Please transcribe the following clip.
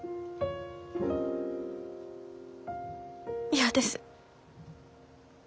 嫌です。